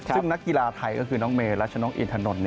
ซึ่งนักกีฬาไทยก็คือน้องเมย์และชนกอีทธนล